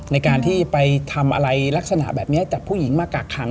ในการที่ไปทำอะไรลักษณะแบบนี้จากผู้หญิงมากักขัง